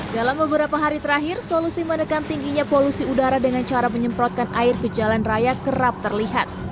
dalam beberapa hari terakhir solusi menekan tingginya polusi udara dengan cara menyemprotkan air ke jalan raya kerap terlihat